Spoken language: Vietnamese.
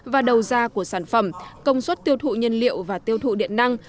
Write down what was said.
và đầu ra của sản phẩm công suất tiêu thụ nhân liệu và tiêu thụ điện năng